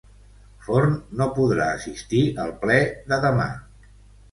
Forn no podrà assistir al ple de demà